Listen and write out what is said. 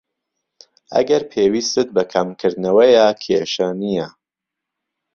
ئەگەر پێویستت بە کەمکردنەوەیە، کێشە نیە.